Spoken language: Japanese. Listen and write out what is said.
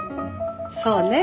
そうね。